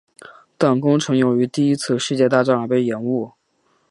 但工程由于第一次世界大战而被延误。